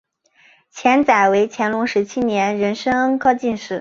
钱载为乾隆十七年壬申恩科进士。